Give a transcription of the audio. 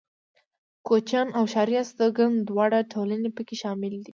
کوچيان او ښاري استوگن دواړه ټولنې پکې شاملې وې.